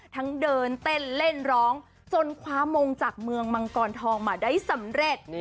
เดินเต้นเล่นร้องจนคว้ามงจากเมืองมังกรทองมาได้สำเร็จ